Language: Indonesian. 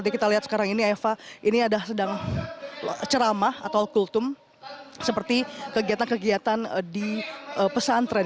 kita lihat sekarang ini eva ini ada sedang ceramah atau kultum seperti kegiatan kegiatan di pesantren